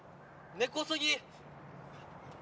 根こそぎ。